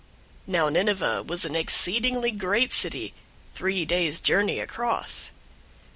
Now Nineveh was an exceedingly great city, three days' journey across.